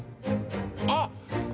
あっ！